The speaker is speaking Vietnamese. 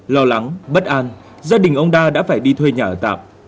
lo lắng bất an gia đình ông đa đã phải đi thuê nhà ở tạm